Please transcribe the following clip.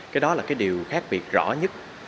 cái đó là cái điều khác biệt rõ nhất